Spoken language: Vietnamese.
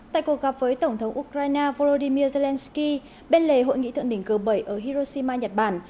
tại cuộc gặp với tổng thống ukraine volodymyr zelensky bên lề hội nghị thượng đỉnh g bảy ở hiroshima nhật bản